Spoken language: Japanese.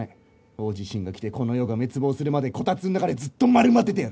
大地震が来てこの世が滅亡するまでこたつの中でずっと丸まっててやる！